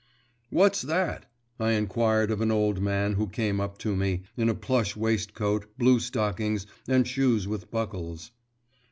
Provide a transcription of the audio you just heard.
'What's that?' I inquired of an old man who came up to me, in a plush waistcoat, blue stockings, and shoes with buckles.